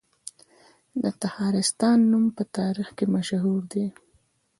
د تخارستان نوم په تاریخ کې مشهور دی